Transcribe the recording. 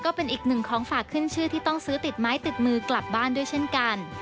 ก็เป็นอีกหนึ่งของฝากขึ้นชื่อที่ต้องซื้อติดไม้ติดมือกลับบ้านด้วยเช่นกัน